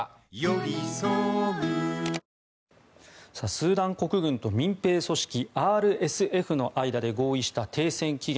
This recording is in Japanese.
スーダン国軍と民兵組織ＲＳＦの間で合意した停戦期限。